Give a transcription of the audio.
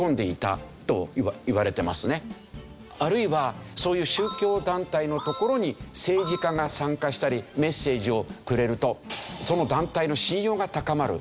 あるいはそういう宗教団体のところに政治家が参加したりメッセージをくれるとその団体の信用が高まる。